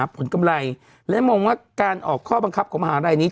หาผลกำไรแล้วมองว่าการออกข้อบังคับของมหาวรรดินี้